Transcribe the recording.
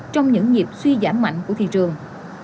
trong những nhịp suy giảm mạnh của thị trường